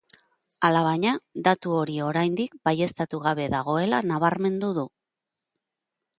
Alabaina, datu hori oraindik baieztatu gabe dagoela nabarmendu du.